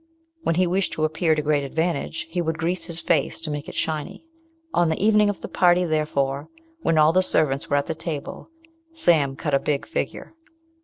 When he wished to appear to great advantage, he would grease his face, to make it "shiny." On the evening of the party therefore, when all the servants were at the table, Sam cut a big figure.